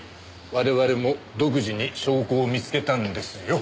我々も独自に証拠を見つけたんですよ。